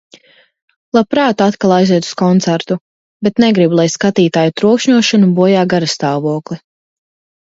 Labprāt atkal aizietu uz koncertu, bet negribu, lai skatītāju trokšņošana bojā garastāvokli.